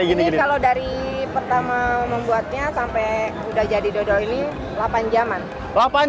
ini kalau dari pertama membuatnya sampai udah jadi dodol ini delapan jaman